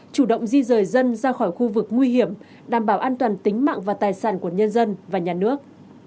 chủ động di rời dân ra khỏi khu vực nguy hiểm đảm bảo an toàn tính mạng và tài sản của nhân dân và nhà nước